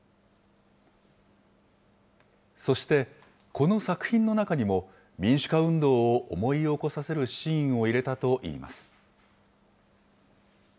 そして、この作品の中にも、民主化運動を思い起こさせるシーンを入れたといいます。